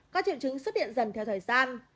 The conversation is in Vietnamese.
các triệu chứng xuất hiện dần theo thời gian